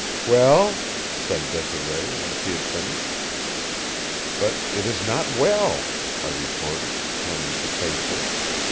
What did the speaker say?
"Well?" said Desiree when she had finished. "But it is not well," I retorted, turning to face her.